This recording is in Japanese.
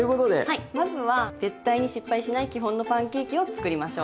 はいまずは絶対に失敗しない基本のパンケーキを作りましょう。